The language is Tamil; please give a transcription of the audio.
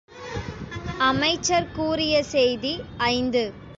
அமைச்சர் கூறிய செய்தி ஐந்து.